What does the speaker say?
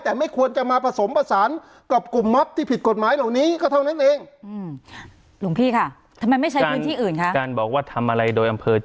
แต่ไม่ควรจะมาผสมผสานกับกลุ่มมอบที่ผิดกฎหมายเหล่านี้ก็เท่านั้นเอง